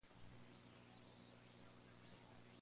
Levantemos el corazón.